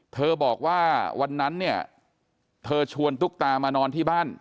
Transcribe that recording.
เธอบอกว่าวันนั้นเนี่ยเธอชวนตุ๊กตามานอนที่บ้าน